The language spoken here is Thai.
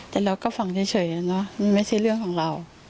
แต่เราก็ฟังเฉยมันไม่ใช่เรื่องของเรา